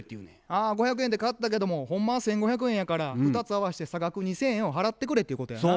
あ５００円で買ったけどもほんまは１，５００円やから２つ合わして差額２，０００円を払ってくれっていうことやな。